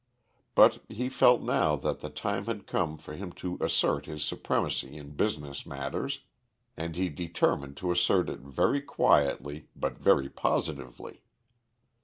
But he felt now that the time had come for him to assert his supremacy in business matters, and he determined to assert it very quietly but very positively.